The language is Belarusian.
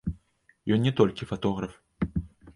Ён не толькі фатограф.